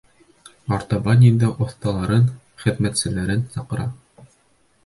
Артабан инде оҫталарын, хеҙмәтселәрен саҡыра.